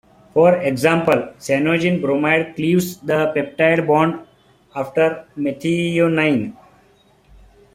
For example, cyanogen bromide cleaves the peptide bond after a methionine.